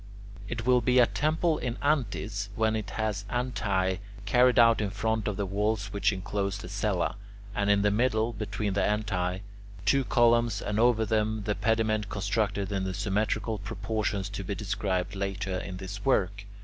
It will be a temple in antis when it has antae carried out in front of the walls which enclose the cella, and in the middle, between the antae, two columns, and over them the pediment constructed in the symmetrical proportions to be described later in this work.